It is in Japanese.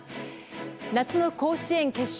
夏の甲子園決勝。